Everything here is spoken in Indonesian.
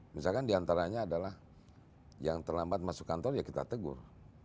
misalkan diantaranya adalah yang terlambat masuk kantor ya kita tegur